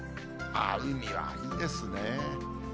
海はいいですね。